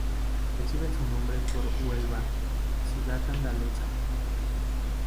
Recibe su nombre por Huelva, ciudad andaluza.